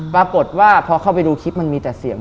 ปรากฏว่าพอเข้าไปดูคลิปมันมีแต่เสียง